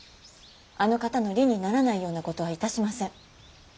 あの方の利にならないようなことはいたしません。